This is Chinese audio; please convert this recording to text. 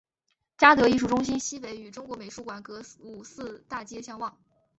嘉德艺术中心西北与中国美术馆隔五四大街相望。